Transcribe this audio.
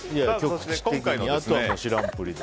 あとは知らんぷりで。